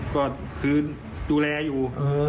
ก็คือดูแลอยู่